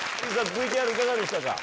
ＶＴＲいかがでしたか？